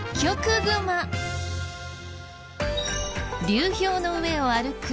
流氷の上を歩く